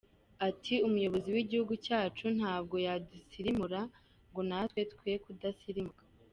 Ati “ Umuyobozi w’Igihugu cyacu ntabwo yadusirimura ngo natwe twe kudasirumuka.